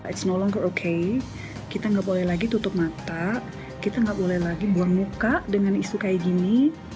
⁇ its ⁇ no longer okay kita nggak boleh lagi tutup mata kita nggak boleh lagi buang muka dengan isu kayak gini